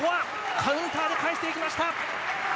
カウンターで返していきました。